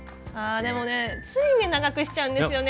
でもねつい長くしちゃうんですよね。